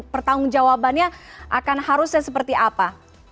pertanggung jawabannya akan harusnya seperti apa